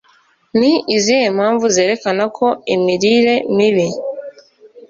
ni izihe mpamvu zerekana ko imirire mibi